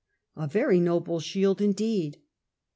A very noble shield indeed